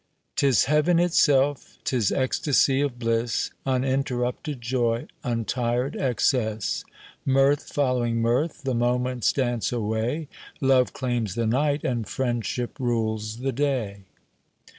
"Tis heaven itself, 'tis ecstacy of bliss, Uninterrupted joy, untired excess ; Mirth following mirth, the moments dance away ; Love claims the night, and friendship rules the day."